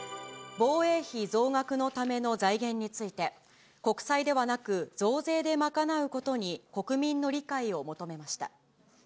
防衛費増額のための財源について、国債ではなく、増税で賄うことに国民の理解を求めました。